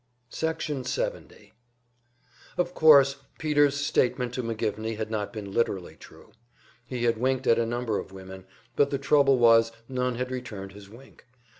Section 70 Of course Peter's statement to McGivney had not been literally true. He had winked at a number of women, but the trouble was none had returned his wink.